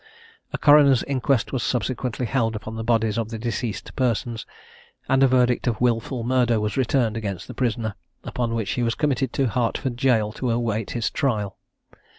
A coroner's inquest was subsequently held upon the bodies of the deceased persons, and a verdict of "Wilful Murder" was returned against the prisoner, upon which he was committed to Hertford Jail to await his trial.